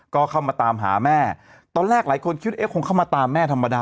ก็เข้ามาตามหาแม่ตอนแรกหลายคนคิดเอ๊ะคงเข้ามาตามแม่ธรรมดา